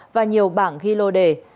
và nhiều bảng ghi lô đề